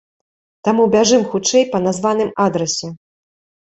Таму бяжым хутчэй па названым адрасе.